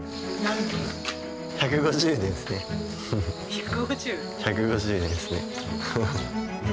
１５０？１５０年ですね。